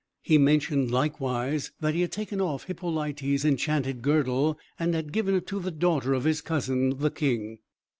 He mentioned, likewise, that he had taken off Hippolyta's enchanted girdle and had given it to the daughter of his cousin, the king.